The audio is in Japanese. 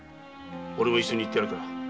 俺も一緒に行ってやるから。